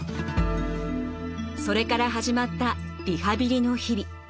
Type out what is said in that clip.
それから始まったリハビリの日々。